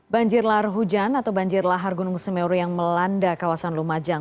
banjir lahar hujan atau banjir lahar gunung semeru yang melanda kawasan lumajang